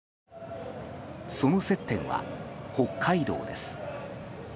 その接点は北海道です。